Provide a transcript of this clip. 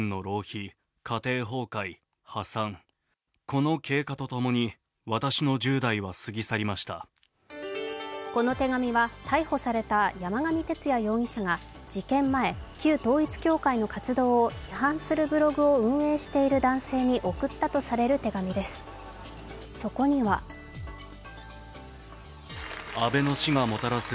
この手紙は、逮捕された山上徹也容疑者が事件前旧統一教会の活動を批判するブログを運営している男性に送ったとされる手紙です。